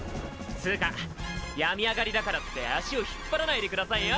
つうか病み上がりだからって足を引っ張らないでくださいよ